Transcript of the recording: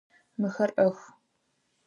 Мыхэр ӏэх.